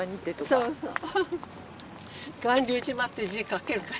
そうそう。